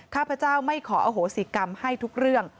ข้าพเจ้าไม่ขออโหสิกรรมให้ทุกเรื่อง